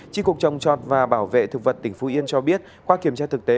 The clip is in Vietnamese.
chi cục trồng trọt và bảo vệ thực vật tỉnh phú yên cho biết qua kiểm tra thực tế